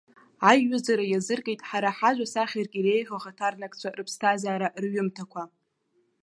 Аиҩызара иазыркит ҳара ҳажәа сахьарк иреиӷьу ахаҭарнакцәа рыԥсҭазаара, рҩымҭақәа.